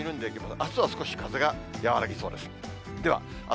あすは少し風が和らぎそうです。